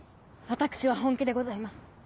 私は本気でございます。